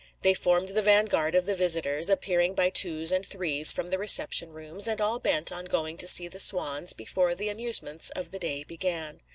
They formed the van guard of the visitors, appearing by twos and threes from the reception rooms, and all bent on going to see the swans before the amusements of the day began.